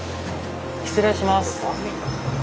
失礼します。